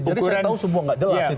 jadi saya tahu semua tidak jelas itu